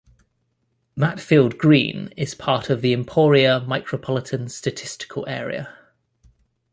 Matfield Green is part of the Emporia Micropolitan Statistical Area.